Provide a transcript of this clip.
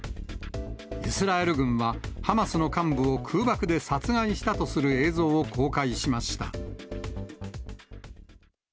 イスラエル軍は、ハマスの幹部を空爆で殺害したとする映像を公開しました。